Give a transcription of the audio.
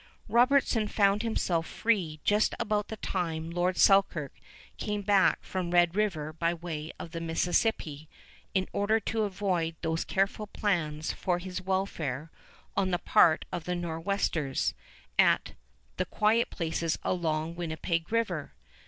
Robertson found himself free just about the time Lord Selkirk came back from Red River by way of the Mississippi in order to avoid those careful plans for his welfare on the part of the Nor'westers at "the quiet places along Winnipeg River."